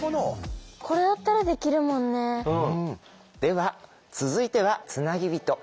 では続いては「つなぎびと」。